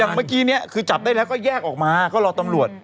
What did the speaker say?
เมื่อกี้เนี่ยคือจับได้แล้วก็แยกออกมาก็รอตำรวจ